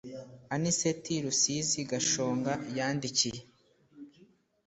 Anicet Rusizi Gashonga yandikiye